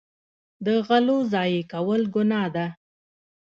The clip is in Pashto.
د غلو ضایع کول ګناه ده.